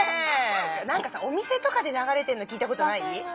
なんかさお店とかでながれてるのきいたことない？